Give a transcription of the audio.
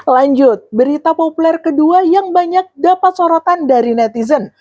lanjut berita populer kedua yang banyak dapat sorotan dari netizen